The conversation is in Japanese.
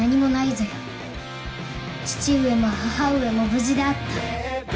父上も母上も無事であった。